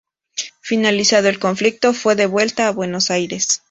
Finalizado el conflicto, fue devuelta a Buenos Aires.